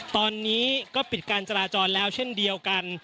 ตอนนี้ก็ปิดการจราจรแล้วเช่นเดียวกัน